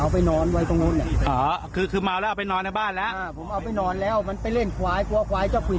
ไปเอาไม้อีกรอบก็กลับมาตรงแต่อยู่บ้านหนู